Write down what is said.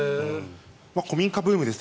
古民家ブームです。